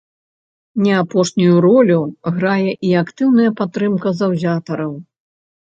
Не апошнюю ролю грае і актыўная падтрымка заўзятараў.